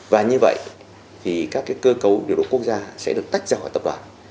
và như vậy thì các cơ cấu điều độ quốc gia sẽ được tách ra khỏi tập đoàn